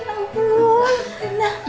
aduh renan renan